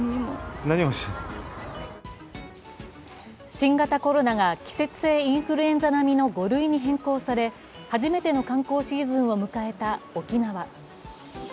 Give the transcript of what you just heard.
新型コロナが季節性インフルエンザ並みの５類に変更され、初めての観光シーズンを迎えた沖縄。